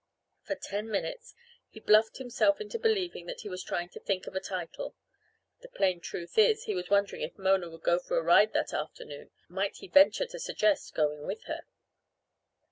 For ten minutes he bluffed himself into believing that he was trying to think of a title; the plain truth is, he was wondering if Mona would go for a ride that afternoon and if so, might he venture to suggest going with her.